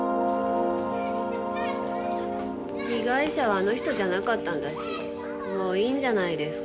被害者はあの人じゃなかったんだしもういいんじゃないですか？